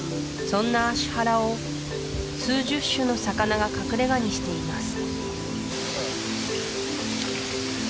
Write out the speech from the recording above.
そんな葦原を数十種の魚が隠れ家にしています